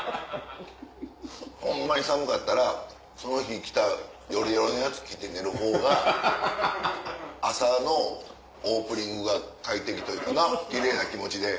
ホンマに寒かったらその日着た夜用のやつ着て寝るほうが朝のオープニングが快適というかな奇麗な気持ちで。